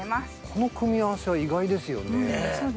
この組み合わせは意外ですよね。ねぇ。